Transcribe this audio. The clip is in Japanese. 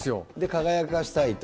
輝かせたいと。